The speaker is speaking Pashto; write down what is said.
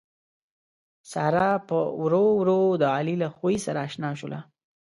ساره پّ ورو ورو د علي له خوي سره اشنا شوله